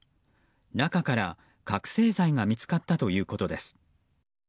中から覚醒剤が見つかったということです。